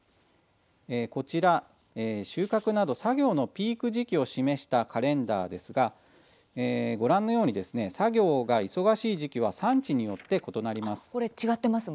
こちら、収穫など作業のピーク時期を示したカレンダーですがご覧のように作業が忙しい時期は産地によって異なります。